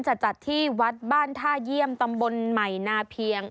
จัดที่วัดบ้านท่าเยี่ยมตำบลใหม่นาเพียง